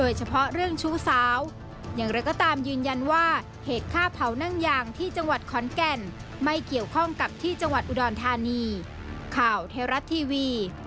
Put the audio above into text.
อย่างที่จังหวัดขอนแกนไม่เกี่ยวข้องกับที่จังหวัดอุดรธานี